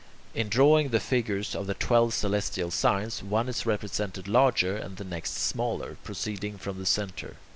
In drawing the figures of the twelve celestial signs, one is represented larger and the next smaller, proceeding from the centre.